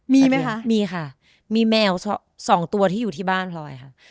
มีไหมคะมีค่ะมีแมวสองตัวที่อยู่ที่บ้านพลอยค่ะ